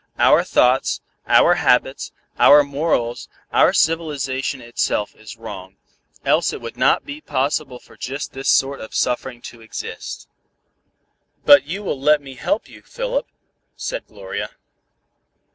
Our thoughts, our habits, our morals, our civilization itself is wrong, else it would not be possible for just this sort of suffering to exist." "But you will let me help you, Philip?" said Gloria.